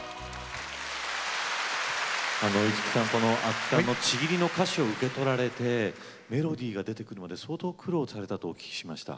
この阿久さんの「契り」の歌詞を受け取られてメロディーが出てくるまで相当苦労されたとお聞きしました。